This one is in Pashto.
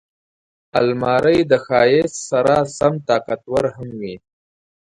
الماري د ښایست سره سم طاقتور هم وي